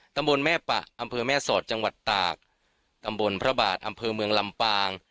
ตำบลแม่ปะอำเภอแม่สอดจังหวัดตากตำบลพระบาทอำเภอเมืองลำปาง